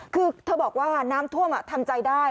คือเธอบอกว่าน้ำท่วมทำใจได้